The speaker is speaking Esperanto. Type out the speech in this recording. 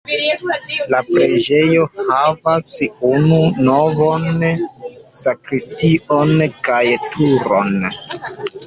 La preĝejo havas unu navon, sakristion kaj turon.